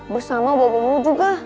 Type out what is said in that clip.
bersama bapakmu juga